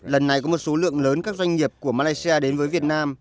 lần này có một số lượng lớn các doanh nghiệp của malaysia đến với việt nam